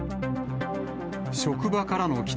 職場からの帰宅